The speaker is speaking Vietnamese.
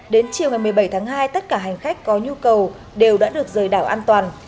đến chiều ngày một mươi bảy tháng hai tất cả hành khách có nhu cầu đều đã được rời đảo an toàn